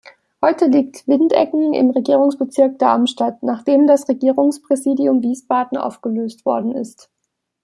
Heute liegt Windecken im Regierungsbezirk Darmstadt, nachdem das Regierungspräsidium Wiesbaden aufgelöst worden ist.